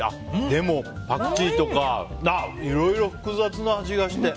でも、パクチーとかいろいろ複雑な味がして。